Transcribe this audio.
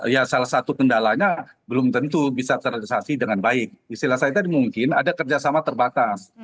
ya salah satu kendalanya belum tentu bisa terrealisasi dengan baik istilah saya tadi mungkin ada kerjasama terbatas